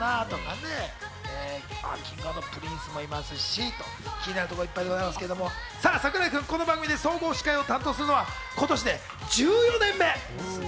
Ｋｉｎｇ＆Ｐｒｉｎｃｅもいますし、気になるところいっぱいでございますけど櫻井君、この番組で総合司会を担当するのは今年で１４年目。